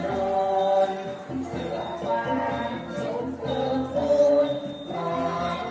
การทีลงเพลงสะดวกเพื่อความชุมภูมิของชาวไทยรักไทย